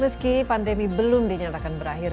meski pandemi belum dinyatakan berakhir